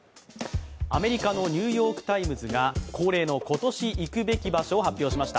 アメリカの「ニューヨーク・タイムズ」が恒例の今年行くべき場所を発表しました。